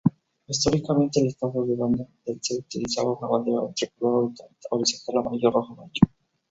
Históricamente, el Estado de Baden del Sur utilizaba una bandera tricolor horizontal amarillo-rojo-amarillo.